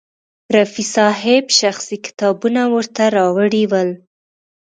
رفیع صاحب شخصي کتابونه ورته راوړي ول.